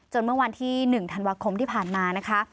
เมื่อวันที่๑ธันวาคมที่ผ่านมานะคะ